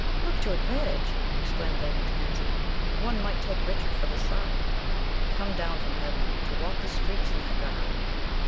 "Look to advantage!" exclaimed Lady Tansi; "one might take Richard for the sun, come down from Heaven, to walk the streets in that garb."